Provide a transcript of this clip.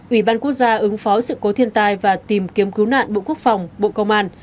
ubnd ứng phó sự cố thiên tai và tìm kiếm cứu nạn bộ quốc phòng bộ công an